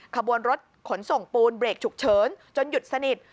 ขบวนรถขนส่งปูนเบรกฉุกเฉินจนหยุดสนิท